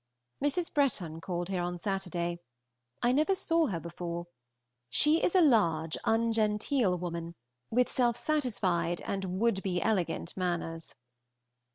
Mrs. Breton called here on Saturday. I never saw her before. She is a large, ungenteel woman, with self satisfied and would be elegant manners.